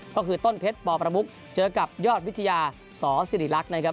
ก็คือต้นเพชรปประมุกเจอกับยอดวิทยาสสิริรักษ์นะครับ